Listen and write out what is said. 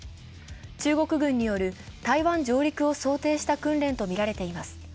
中国軍による台湾上陸を想定した訓練とみられています。